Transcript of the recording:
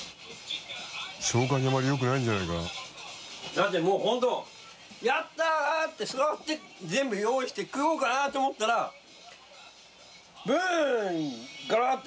だってもう本当「やった！」って座って管用意して食おうかなと思ったらブンガラッ！」て